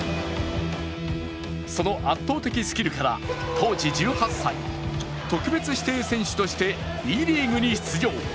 その圧倒的スキルから当時１８歳、特別指定選手としてＢリーグに出場。